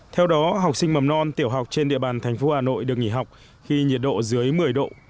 theo đó học sinh mầm non tiểu học trên địa bàn thành phố hà nội được nghỉ học khi nhiệt độ dưới một mươi độ